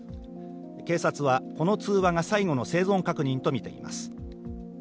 警察はこの通話が最後の生存確認と見ています。